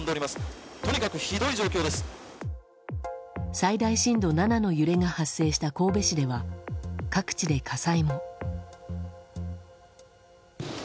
最大震度７の揺れが発生した神戸市では、各地で火災も。